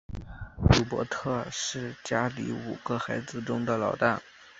鲁伯特是家里五个孩子中的老大。